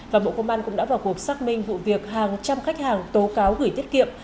và bộ công an cũng đã vào cuộc xác minh vụ việc hàng trăm khách hàng tố cáo gửi tiết kiệm